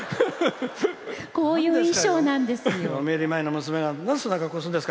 こういう衣装なんですよ。